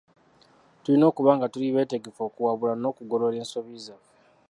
Tulina okuba nga tuli beetegefu okuwabulwa, n'okugolola ensobi zaffe.